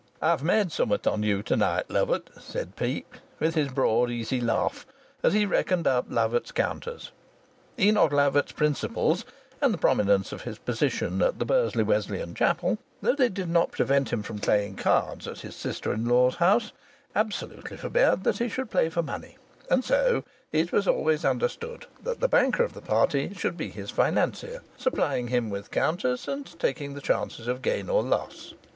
"I've made summat on you to night, Lovatt," said Peake, with his broad easy laugh, as he reckoned up Lovatt's counters. Enoch Lovatt's principles and the prominence of his position at the Bursley Wesleyan Chapel, though they did not prevent him from playing cards at his sister in law's house, absolutely forbade that he should play for money, and so it was always understood that the banker of the party should be his financier, supplying him with counters and taking the chances of gain or loss.